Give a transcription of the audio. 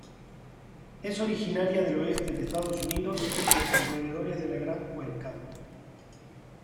Es originaria del oeste de Estados Unidos en los alrededores de la Gran Cuenca.